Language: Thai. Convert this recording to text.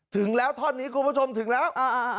ถึงแล้วท่อนนี้คุณผู้ชมถึงแล้ว